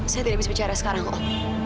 saya tidak bisa bicara sekarang kok